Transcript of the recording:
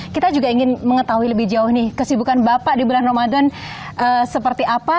kita juga ingin mengetahui lebih jauh nih kesibukan bapak di bulan ramadan seperti apa